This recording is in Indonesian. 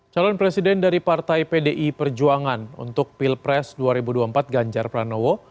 calon presiden dari partai pdi perjuangan untuk pilpres dua ribu dua puluh empat ganjar pranowo